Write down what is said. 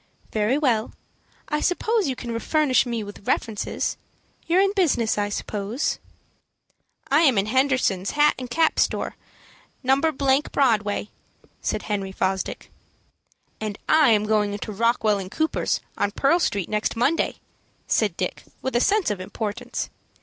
"Very well. I suppose you can furnish me with references. You're in business, I suppose?" "I am in Henderson's hat and cap store, No. Broadway," said Henry Fosdick. "And I am going into Rockwell & Cooper's, on Pearl Street, next Monday," said Dick, with a sense of importance.